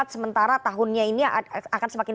sementara tahunnya ini akan semakin